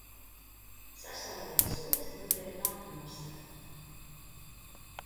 Sasaldētas ogas var noderēt nākamvasar.